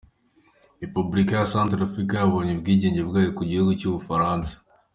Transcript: Repubulika ya Centre-Africa yabonye ubwigenge bwayo ku gihugu cy’ubufaransa.